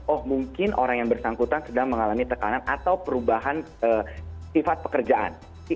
oh mungkin orang yang bersangkutan sedang mengalami tekanan atau perubahan sifat pekerjaan